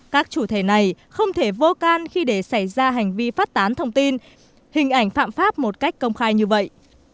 các chủ thể này không thể vô can khi để xảy ra hành vi phát tán thông tin hình ảnh phạm pháp một cách công khai như vậy